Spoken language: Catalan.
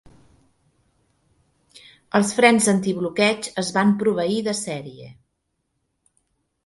Els frens anti-bloqueig es van proveir de sèrie.